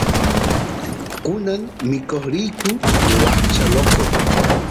kunan mikoq riyku washcha lokro